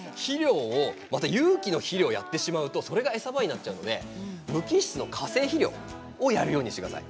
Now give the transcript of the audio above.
でも有機の肥料をやってしまうと餌場になってしまうので無機質の化成肥料をやるようにしてください。